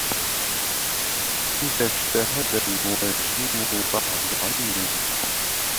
إذا اجتهد المنجم بعد علم